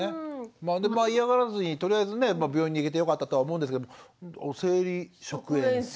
まあでも嫌がらずにとりあえずね病院に行けてよかったとは思うんですけど生理食塩水？